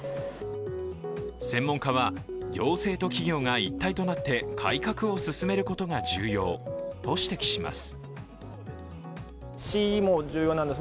専門家は、行政と企業が一体となって改革を進めることが重要と指摘します。